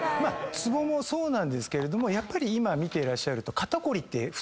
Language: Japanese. ツボもそうなんですけどやっぱり今見てらっしゃると。